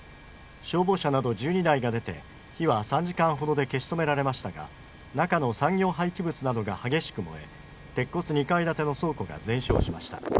消防車など１２台が出て火は３時間ほどで消し止められましたが中の産業廃棄物などが激しく燃え鉄骨２階建ての倉庫が全焼しました。